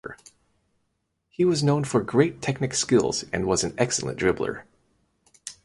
He was known for great technic skills and was an excellent dribbler.